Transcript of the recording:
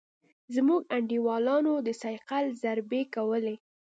زموږ انډيوالانو د ثقيل ضربې کولې.